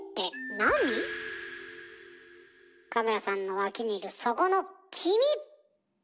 カメラさんの脇にいるそこの君！